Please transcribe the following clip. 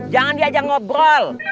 jangan diajak ngobrol